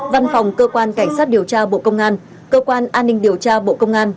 văn phòng cơ quan cảnh sát điều tra bộ công an cơ quan an ninh điều tra bộ công an